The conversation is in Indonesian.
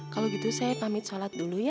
kalau gitu saya pamit sholat dulu ya